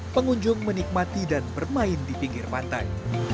pengunjung menikmati dan bermain di pinggir pantai